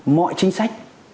mọi chính sách